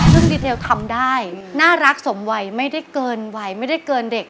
ซึ่งดีเทลทำได้น่ารักสมวัยไม่ได้เกินวัยไม่ได้เกินเด็ก